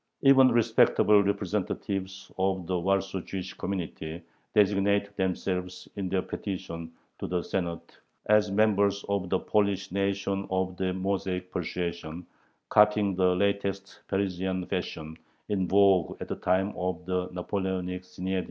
" Even respectable representatives of the Warsaw Jewish community designate themselves in their petition to the Senate as "members of the Polish nation of the Mosaic persuasion," copying the latest Parisian fashion, in vogue at the time of the Napoleonic Synhedrion.